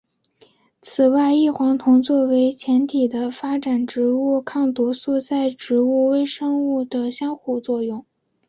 此外异黄酮作为前体的发展植物抗毒素在植物微生物的相互作用。